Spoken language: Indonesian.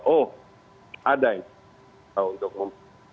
oh ada yang tahu untuk ngomong